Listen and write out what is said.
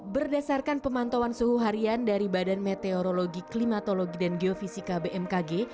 berdasarkan pemantauan suhu harian dari badan meteorologi klimatologi dan geofisika bmkg